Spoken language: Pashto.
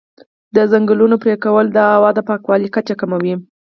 د ځنګلونو پرېکول د هوا د پاکوالي کچه کموي.